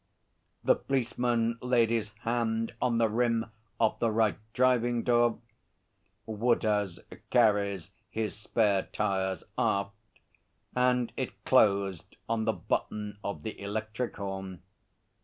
The policeman laid his hand on the rim of the right driving door (Woodhouse carries his spare tyres aft), and it closed on the button of the electric horn.